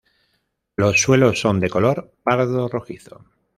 Los suelos son de color pardo rojizo.